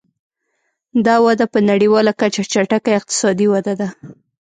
دا وده په نړیواله کچه چټکه اقتصادي وده ده.